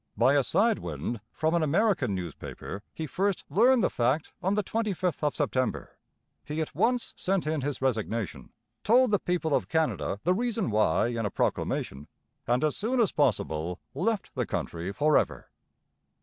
By a side wind, from an American newspaper, he first learned the fact on the twenty fifth of September. He at once sent in his resignation, told the people of Canada the reason why in a proclamation, and as soon as possible left the country for ever.